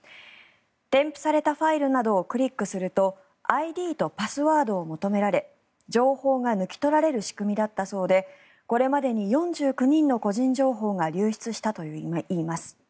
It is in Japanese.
添付されたファイルなどをクリックするとＩＤとパスワードを求められ情報が抜き取られる仕組みだったそうでこれまでに４９人の個人情報が流出したといいます。